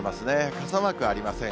傘マークありません。